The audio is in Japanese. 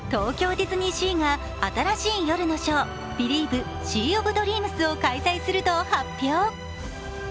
東京ディズニーシーが新しい夜のショー、「ビリーヴ！シー・オブ・ドリームス」を開催すると発表。